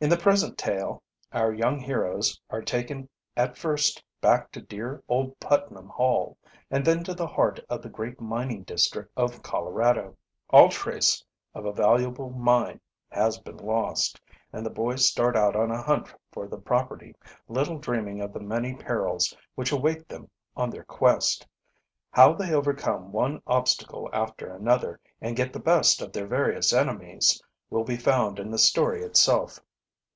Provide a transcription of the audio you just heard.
In the present tale our young herm are taken at first back to dear old Putnam Hall, and then to the heart of the great mining district of Colorado. All trace of a valuable mine has been lost, and the boys start out on a hunt for the property, little dreaming of the many perils which await them on their quest. How they overcome one obstacle after another, and get the best of their various enemies, will be found in the story itself.